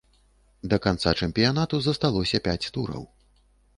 Да канца чэмпіянату засталося пяць тураў.